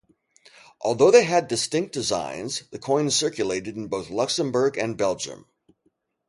Although they had distinct designs, the coins circulated in both Luxembourg and Belgium.